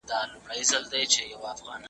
مڼه ونه ساتي.